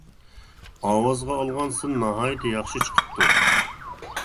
ئاۋازغا ئالغان سىن ناھايىتى ياخشى چىقىپتۇ.